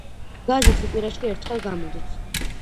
გაზეთი კვირაში ერთხელ გამოდის.